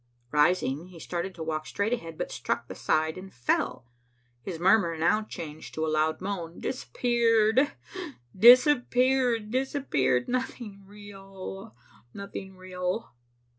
Rising, he started to walk straight ahead, but struck the side and fell. His murmur now changed to a loud moan. "Disappeared, disappeared, disappeared. Nothing real, nothing real."